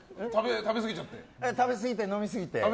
食べすぎて、飲みすぎて。